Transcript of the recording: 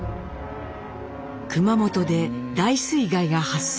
熊本で大水害が発生。